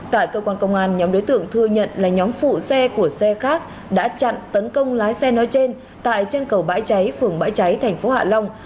tại cơ quan công an nhóm đối tượng thừa nhận là nhóm phụ xe của xe khác đã chặn tấn công lái xe nói trên tại chân cầu bãi cháy phường bãi cháy thành phố hạ long